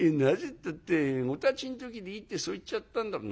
ったって『おたちん時でいい』ってそう言っちゃったんだもん」。